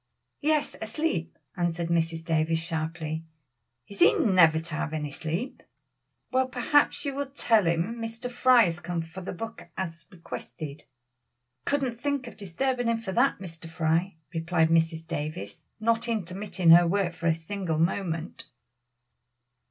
"Yes, asleep," answered Mrs. Davies sharply; "is he never to have any sleep?" "Well, perhaps you will tell him Mr. Fry has come for the book as requested." "Couldn't think of disturbing him for that, Mr. Fry," replied Mrs. Davies, not intermitting her work for a single moment.